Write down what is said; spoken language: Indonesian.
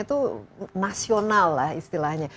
itu nasional lah istilahnya